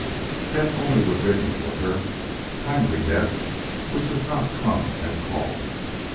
Death only would rid me of her; kindly death which does not come at call.